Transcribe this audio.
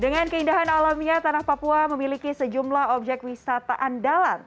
dengan keindahan alamnya tanah papua memiliki sejumlah objek wisata andalan